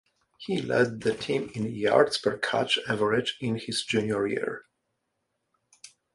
He led the team in yards-per-catch average in his junior year.